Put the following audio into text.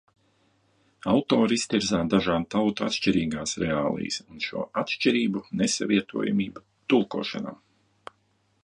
Autore iztirzā dažādu tautu atšķirīgās reālijas un šo atšķirību nesavietojamību tulkošanā.